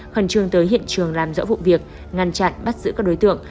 khẩn trương tới hiện trường làm rõ vụ việc ngăn chặn bắt giữ các đối tượng